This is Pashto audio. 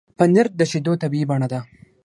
پنېر د شیدو طبیعي بڼه ده.